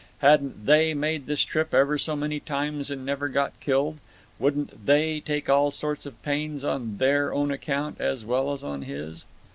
Hadn't They made this trip ever so many times and never got killed? Wouldn't They take all sorts of pains on Their own account as well as on his?